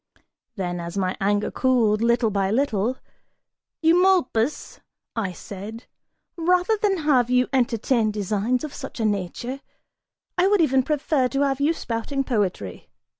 Then, as my anger cooled, little by little, "Eumolpus," I said, "rather than have you entertain designs of such a nature, I would even prefer to have you spouting poetry!